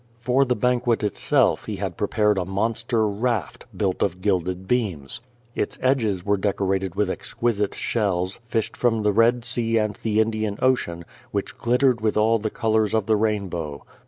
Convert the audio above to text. For the banquet itself he had prepared a monster raft, built of gilde<l lK?ams. Its edges were decorated with exquisite shells, fished from the Hed sea and the Indian ocean, which glittered with all the colors of the rainbow.